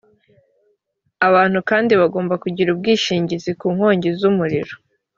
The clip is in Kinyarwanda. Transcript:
abantu kandi bagomba kugira ubwishingizi ku nkongi z umuriro